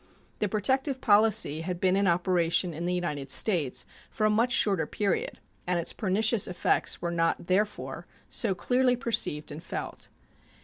The protective policy had been in operation in the United States for a much shorter period, and its pernicious effects were not, therefore, so clearly perceived and felt.